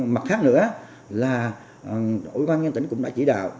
mặt khác nữa là ủy ban nhân tỉnh cũng đã chỉ đạo